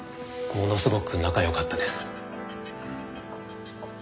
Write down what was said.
ものすごく仲良かったです。